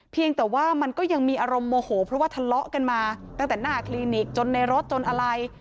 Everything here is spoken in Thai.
เพียงแต่ว่ามันก็ยังมีอารมณ์โมโหเพราะว่าทะเลาะกันมาตั้งแต่หน้าคลินิกจนในรถจนอะไร